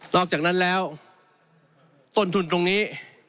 อกจากนั้นแล้วต้นทุนตรงนี้